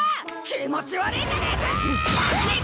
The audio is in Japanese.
気持ち悪ぃじゃねえか！